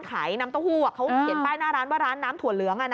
ขายน้ำเต้าหู้เขาเขียนป้ายหน้าร้านว่าร้านน้ำถั่วเหลือง